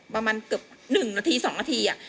ประมาณเกือบ๑นาที๒นาที